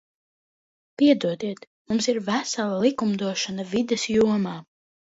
Piedodiet, mums ir vesela likumdošana vides jomā.